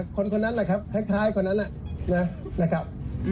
คนคนนั้นแหละครับคล้ายคนนั้นนะครับ